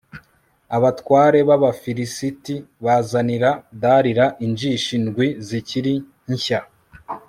abatware b'abafilisiti bazanira dalila injishi ndwi zikiri nshya